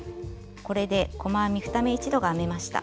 これで細編み２目一度が編めました。